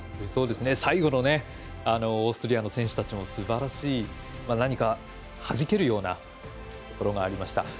最後のオーストリアの選手たちもすばらしい、何かはじけるようなところがありました。